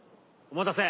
お待たせ。